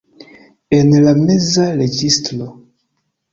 En la meza registro.